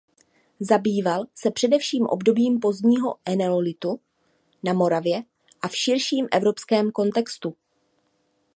Zabýval se především obdobím pozdního eneolitu na Moravě a v širším evropském kontextu.